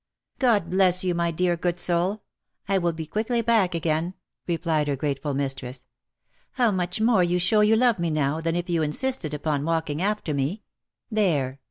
" God bless you, my dear good soul ! I will be quickly back again," replied her grateful mistress. " How much more you show you love me now, than if you insisted upon walking after me. There